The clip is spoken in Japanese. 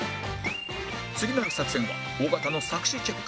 次なる作戦は尾形の作詞チェック